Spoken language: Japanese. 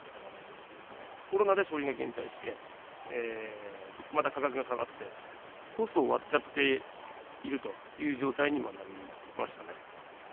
コロナで消費が減退して、また価格が下がって、コストを割っちゃっているという状態になりましたね。